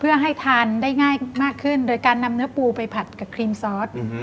เพื่อให้ทานได้ง่ายมากขึ้นโดยการนำเนื้อปูไปผัดกับครีมซอส